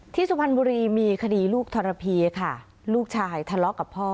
สุพรรณบุรีมีคดีลูกทรพีค่ะลูกชายทะเลาะกับพ่อ